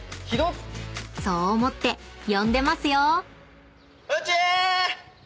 ［そう思って呼んでますよ］